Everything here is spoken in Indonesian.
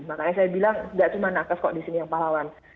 makanya saya bilang nggak cuma nakes kok di sini yang pahlawan